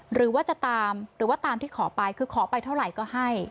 หรือว่าจะตามหรือว่าตามที่ขอไปคือขอไปเท่าไหร่ก็ให้